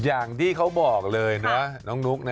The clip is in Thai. อย่างที่เขาบอกเลยนะน้องนุ๊กนะ